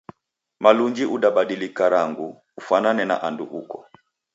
Malunji udabadilika rangu ufwanane na andu uko